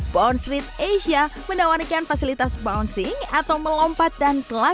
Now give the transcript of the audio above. bounce street asia menawarkan fasilitas bouncing atau melompat dan kelajuan